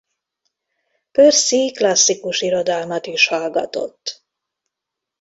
Perse klasszikus irodalmat is hallgatott.